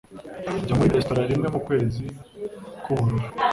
Njya muri resitora rimwe mukwezi k'ubururu.